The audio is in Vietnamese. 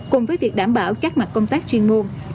cùng với việc đảm bảo các mặt công tác chuyên môn